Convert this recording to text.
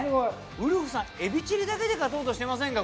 ウルフさんエビチリだけで勝とうとしてませんか？